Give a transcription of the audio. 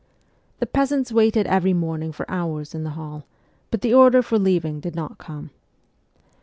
The peasants waited every morning for hours in the hall ; but the order for leaving did not come.